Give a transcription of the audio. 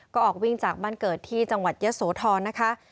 ก็ออกวิ่งจากบ้านเกิดที่จังหวัดเยอะโสธรนะคะ